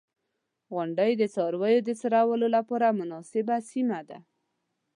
• غونډۍ د څارویو د څرولو لپاره مناسبه سیمه ده.